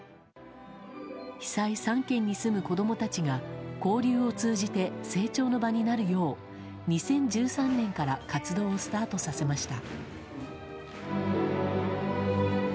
被災３県に住む子供たちが交流を通じて成長の場になるよう２０１３年から活動をスタートさせました。